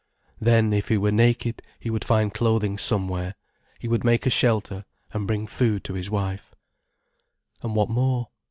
Then, if he were naked, he would find clothing somewhere, he would make a shelter and bring food to his wife. And what more?